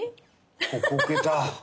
ここ置けた。